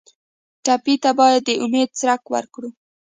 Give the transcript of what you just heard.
ټپي ته باید د امید څرک ورکړو.